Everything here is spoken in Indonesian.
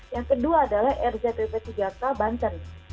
yang kedua adalah rzpp tiga k banten